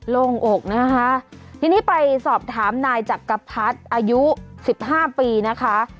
ลงอกนะคะทีนี้ไปสอบถามนายจักรพรรดิอายุสิบห้าปีนะคะ